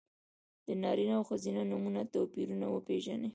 د نارینه او ښځینه نومونو توپیرونه وپېژنئ!